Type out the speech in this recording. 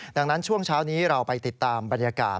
ดังนั้นช่วงเช้านี้เราไปติดตามบรรยากาศ